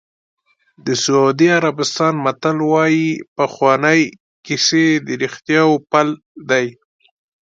د سعودي عربستان متل وایي پخوانۍ کیسې د رښتیاوو پل دی.